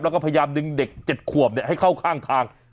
แล้วก็พยายามดึงเด็ก๗ขวบให้เข้าข้างทาง